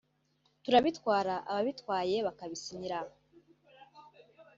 turabitwara ababitwaye bakabisinyira